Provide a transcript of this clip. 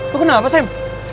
lu kenal apa sam